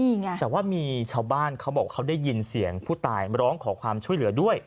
นี่ไงแต่ว่ามีชาวบ้านเขาบอกเขาได้ยินเสียงผู้ตายร้องขอความช่วยเหลือด้วย